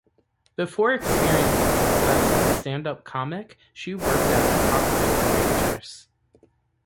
Before experiencing success as a stand-up comic, she worked as a cocktail waitress.